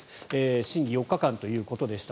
審議、４日間ということでした。